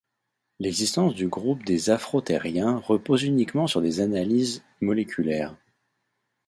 L'existence du groupe des afrothériens repose uniquement sur des analyses moléculaires.